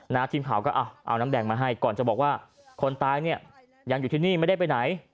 ทีมข่าวก็เอาน้ำแดงมาให้ก่อนจะบอกว่าคนตายเนี่ยยังอยู่ที่นี่ไม่ได้ไปไหน